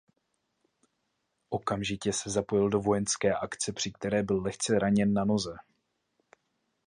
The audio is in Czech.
Okamžitě se zapojil do vojenské akce při které byl lehce raněn na noze.